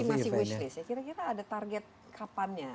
masih wish list ya kira kira ada target kapannya